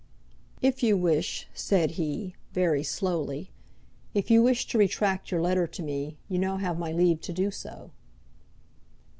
"If you wish," said he, very slowly, "if you wish to retract your letter to me, you now have my leave to do so."